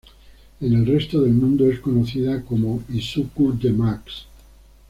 En el resto del mundo es conocida como Isuzu D-Max.